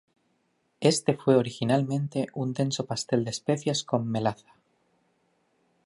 Este fue originalmente un denso pastel de especias con melaza.